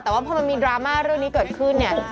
แต่ว่าพอมันมีดราม่าเรื่องนี้เกิดขึ้นเนี่ย